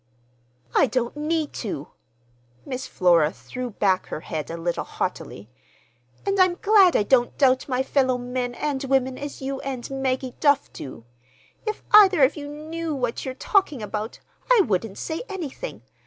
"I don't need to!" Miss Flora threw back her head a little haughtily. "And I'm glad I don't doubt my fellow men and women as you and Maggie Duff do! If either of you knew what you're talking about, I wouldn't say anything.